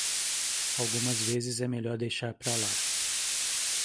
Algumas vezes é melhor deixar pra lá.